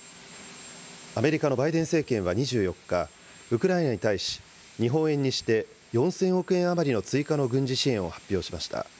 アメリカのバイデン政権は２４日、ウクライナに対し、日本円にして４０００億円余りの追加の軍事支援を発表しました。